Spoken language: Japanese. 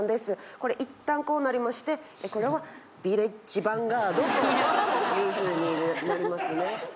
これ一旦こうなりまして、これヴィレッジヴァンガードというふうになりますね。